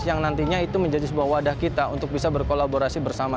yang nantinya itu menjadi sebuah wadah kita untuk bisa berkolaborasi bersama